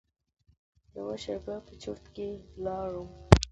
یوه شېبه په چرت کې لاړم.